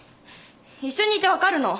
一緒にいて分かるの。